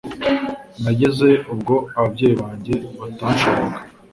nageze ubwo ababyeyi banjye batashoboraga